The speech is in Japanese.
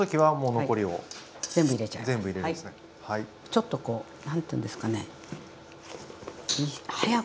ちょっとこう何ていうんですかね早くやらないと。